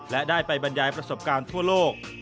และได้ไปบรรยายประสบการณ์ทั่วโลก